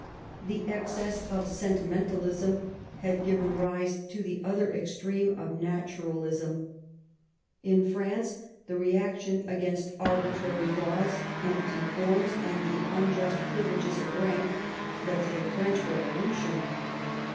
The excess of sentimentalism had given rise to the other extreme of naturalism. In France the reaction against arbitrary laws^ empty forms, and the unjust privileges of rank, led to the French Revolution.